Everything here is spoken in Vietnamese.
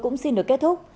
cũng xin được kết thúc